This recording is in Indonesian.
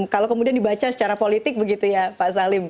kalau kemudian dibaca secara politik begitu ya pak salim